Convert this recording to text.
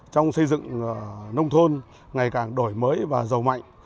trong xây dựng nông thôn ngày càng đổi mới và giàu mạnh